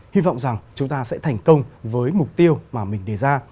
hy vọng rằng chúng ta sẽ thành công với mục tiêu mà mình đề ra